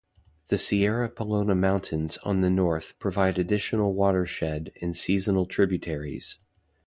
The Sierra Pelona Mountains on the north provide additional watershed and seasonal tributaries.